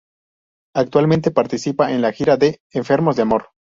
Actualmente participa en la gira de "Enfermos de Amor".